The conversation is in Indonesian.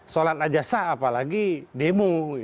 sholat aja sah apalagi demo